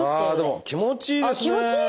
あっ気持ちいい！